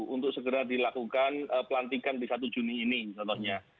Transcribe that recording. untuk segera dilakukan pelantikan di satu juni ini contohnya